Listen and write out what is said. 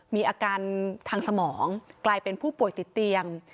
มีอาการทางสมองกลายเป็นผู้ป่วยติดเตียง